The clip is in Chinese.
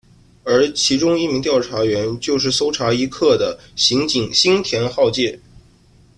而其中一名调查员就是搜查一课的刑警新田浩介。